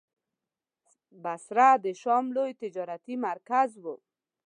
بصره د شام لوی تجارتي مرکز و.